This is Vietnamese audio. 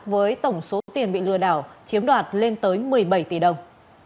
với tổng số tiền bị lừa đảo chiếm đoạt lên tới một mươi bảy tỷ đồng